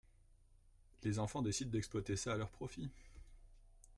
Les enfants décident d'exploiter cela à leur profit.